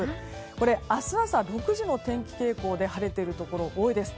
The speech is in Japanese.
これ、明日朝６時の天気傾向で晴れているところ多いです。